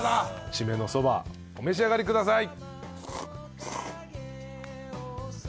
締めのそばお召し上がりください。